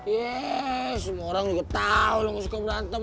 yes semua orang juga tahu lo gak suka berantem